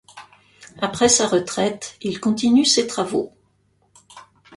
Après sa retraite il continue ses travaux.